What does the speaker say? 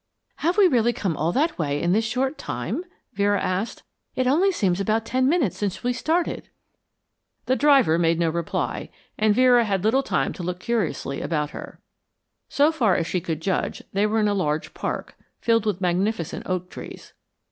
"Have we really come all that way in this short time?" Vera asked. "It only seems about ten minutes since we started." The driver made no reply, and Vera had little time to look curiously about her. So far as she could judge, they were in a large park, filled with magnificent oak trees.